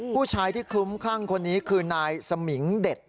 ผู้ชายที่คลุ้มคลั่งคนนี้คือนายสมิงเด็ด